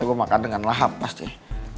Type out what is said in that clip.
gue makan dengan lahap pasti